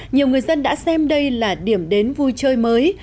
nhiều người dân đã xem đây là điểm đến vui chơi mới